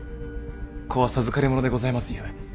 子は授かりものでございますゆえ。